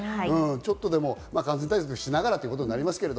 ちょっとでも感染対策しながらになりますね。